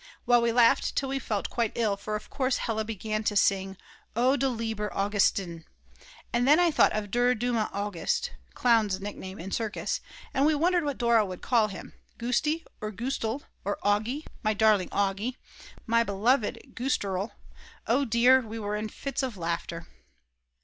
Well, we laughed till we felt quite ill, for of course Hella began to sing: "O du lieber Augustin," and then I thought of Der dumme August [clown's nickname in circus] and we wondered what Dora would call him. Gusti or Gustel, or Augi, my darling Augi, my beloved Gusterl, oh dear, we were in fits of laughter.